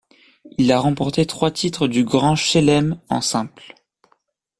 Il a remporté trois titres du Grand Chelem en simple.